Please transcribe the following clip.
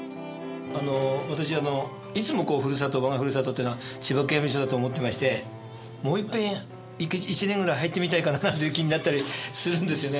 私いつも我が故郷っていうのは千葉刑務所だと思ってましてもういっぺん１年ぐらい入ってみたいかななんていう気になったりするんですよね。